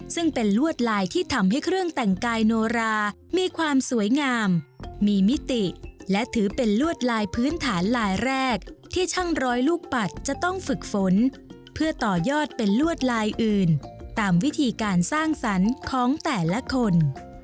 ซึ่งเป็นลวดลายที่ทำให้เครื่องแต่งกายโนรามีความสวยงามมีมิติและถือเป็นลวดลายพื้นฐานลายแรกที่ช่างร้อยลูกปัดจะต้องฝึกฝนเพื่อต่อยอดเป็นลวดลายอื่นตามวิธีการสร้างสรรค์ของแต่ละคน